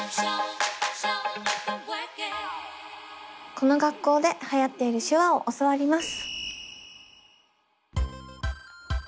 この学校ではやっている手話を教わります。